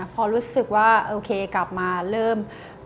พอรู้สึกว่าโอเคกลับมาเริ่ม